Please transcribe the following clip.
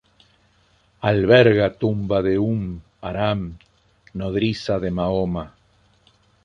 Alberga tumba de Umm Haram, nodriza de Mahoma.